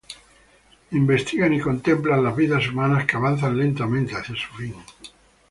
Investigan y contemplan las vidas humanas que avanzan lentamente hacia su fin.